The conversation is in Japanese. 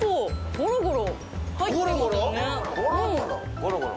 ゴロゴロ